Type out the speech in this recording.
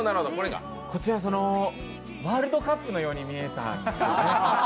こちらワールドカップのように見えたんですね。